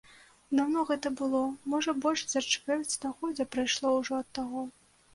Даўно гэта было, можа больш за чвэрць стагоддзя прайшло ўжо ад таго.